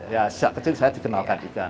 ya sejak kecil saya dikenalkan ikan